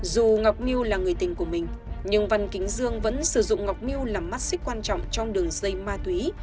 dù ngọc miu là người tình của mình nhưng văn kính dương vẫn sử dụng ngọc miu là mắt xích quan trọng trong đường dây ma túy